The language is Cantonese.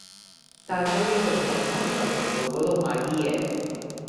大嫂要去油塘油塘道嗰度買啲嘢